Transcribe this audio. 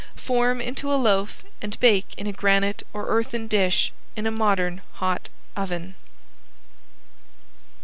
Form into a loaf and bake in a granite or earthen dish in a modern hot oven.